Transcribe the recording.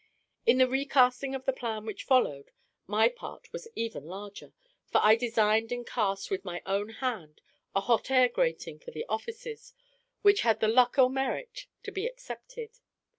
In the recasting of the plan which followed, my part was even larger; for I designed and cast with my own hand a hot air grating for the offices, which had the luck or merit to be accepted.